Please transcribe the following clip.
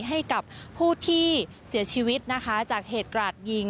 ให้กับผู้ที่เสียชีวิตนะคะจากเหตุกราดยิง